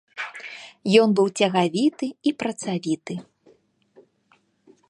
Ён быў цягавіты і працавіты.